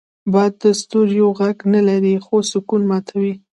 باد د ستوریو غږ نه لري، خو سکون ماتوي